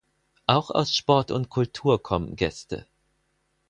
Auch aus Sport und Kultur kommen Gäste.